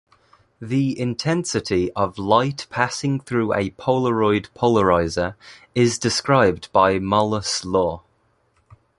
The intensity of light passing through a Polaroid polarizer is described by Malus' law.